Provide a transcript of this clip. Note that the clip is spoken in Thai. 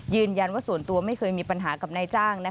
ยืนยันว่าส่วนตัวไม่เคยมีปัญหากับนายจ้าง